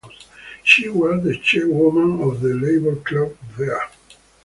She was the chairwoman of the Labour club there.